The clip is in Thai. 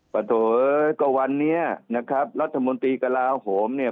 โถก็วันนี้นะครับรัฐมนตรีกระลาโหมเนี่ย